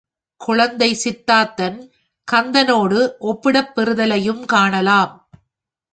குழந்தை சித்தார்த்தன் கந்தனோடு ஒப்பிடப்பெறுதலையும் காணலாம்.